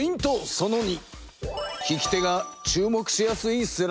その２。